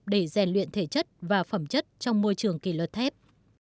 để rèn luyện thể chất và phẩm chất trong môi trường kỷ luật thép